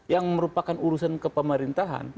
yang merupakan urusan ke pemerintahan